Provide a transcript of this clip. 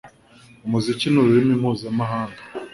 Umuziki ni ururimi mpuzamahanga